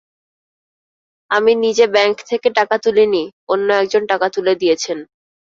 আমি নিজে ব্যাংক থেকে টাকা তুলিনি, অন্য একজন টাকা তুলে দিয়েছেন।